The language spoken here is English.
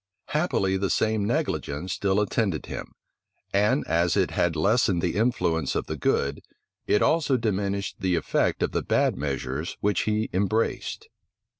Happily, the same negligence still attended him; and, as it had lessened the influence of the good, it also diminished the effect of the bad measures which he embraced.